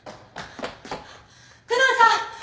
久能さん！